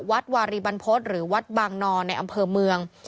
วัดวารีบรรพฤษหรือวัดบางนอนในอำเภอเมือง